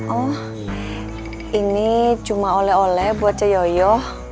oh ini cuma oleh oleh buat seyoyo